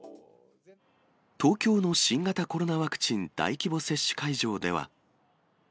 東京の新型コロナワクチン大規模接種会場では。